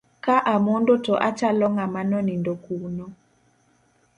Ka amondo to achalo ng'ama nonindo kuno.